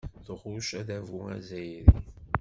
Tɣucc adabu azzayri.